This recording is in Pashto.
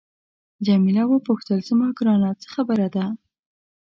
جميله وپوښتل زما ګرانه څه خبره ده.